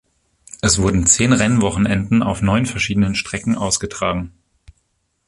Es wurden zehn Rennwochenenden auf neun verschiedenen Strecken ausgetragen.